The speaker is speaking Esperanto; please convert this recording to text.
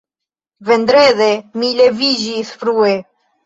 Vendrede mi leviĝis frue.